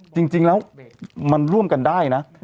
จริงแล้วมันร่วมกันได้นะ